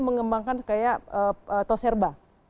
mengembangkan kayak tos herba